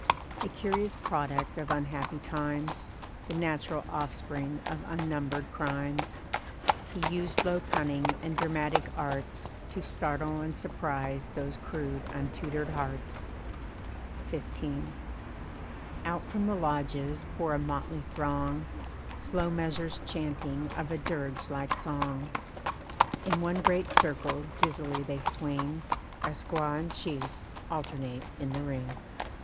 A curious product of unhappy times, The natural offspring of unnumbered crimes, He used low cunning and dramatic arts To startle and surprise those crude untutored hearts. XV. Out from the lodges pour a motley throng, Slow measures chanting of a dirge like song. In one great circle dizzily they swing, A squaw and chief alternate in the ring.